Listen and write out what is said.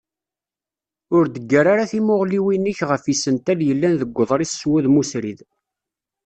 Ur d-ggar ara timuɣliwin-ik ɣef yisental yellan deg uḍris s wudem usrid.